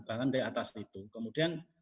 bahkan dari atas gitu kemudian